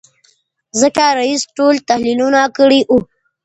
ځکه رییس ټول تحلیلونه کړي وو.